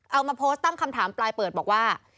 เอามาโพสต์ตั้งคำถามปลายเปิดบอกว่า